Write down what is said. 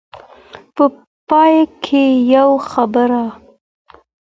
په پای کې يوه خبره.